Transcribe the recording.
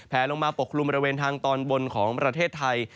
ลงมาปกคลุมบริเวณทางตอนบนของประเทศไทย